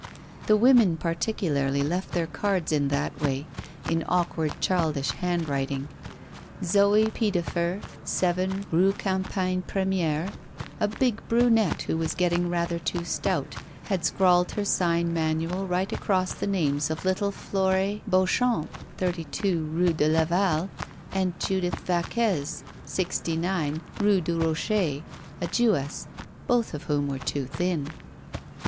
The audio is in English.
The women particularly left their cards in that way, in awkward, childish handwriting. Zoé Piedefer, 7 Rue Campagne Première, a big brunette, who was getting rather too stout, had scrawled her sign manual right across the names of little Flore Beauchamp, 32 Rue de Laval, and Judith Vaquez, 69 Rue du Rocher, a Jewess, both of whom were too thin.